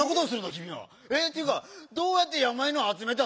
きみは。えていうかどうやってやまいぬをあつめたんだ？